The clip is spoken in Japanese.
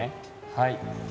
はい。